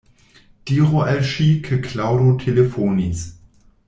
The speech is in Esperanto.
Diru al ŝi ke Klaŭdo telefonis.